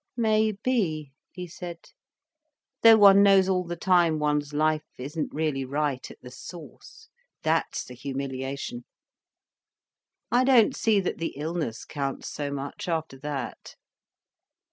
"Maybe," he said. "Though one knows all the time one's life isn't really right, at the source. That's the humiliation. I don't see that the illness counts so much, after that.